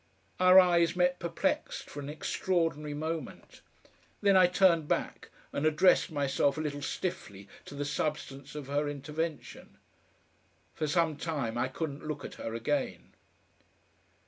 Our eyes met perplexed for an extraordinary moment. Then I turned back and addressed myself a little stiffly to the substance of her intervention. For some time I couldn't look at her again.